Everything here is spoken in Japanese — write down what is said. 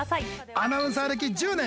アナウンサー歴１０年